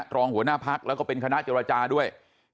รองหัวหน้าพักแล้วก็เป็นคณะเจรจาด้วย